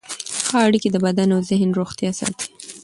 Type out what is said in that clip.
ښه اړیکې د بدن او ذهن روغتیا ساتي.